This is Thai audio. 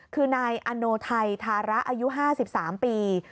คือนายอโนไทยธาระอายุ๕๓ปี